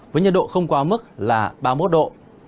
với nhiệt độ không quá mức là ba mươi một độ